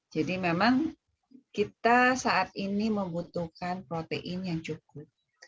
jadi memang kita saat ini membutuhkan protein yang cukup